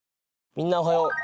みんなおはよう。